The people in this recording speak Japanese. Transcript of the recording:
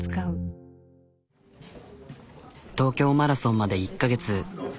東京マラソンまで１カ月。